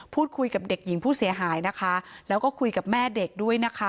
พูดคุยกับเด็กหญิงผู้เสียหายนะคะแล้วก็คุยกับแม่เด็กด้วยนะคะ